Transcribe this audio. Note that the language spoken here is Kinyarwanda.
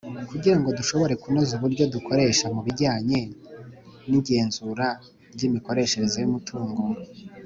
kugirango dushobora kunoza uburyo dukoresha mu bijyanye n'igenzura ry'imikoreshereze y'umutongo.